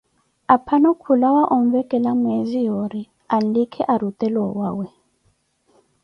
Aphano khulawa onvekela mweezi yoori anlikhe arutele owawe.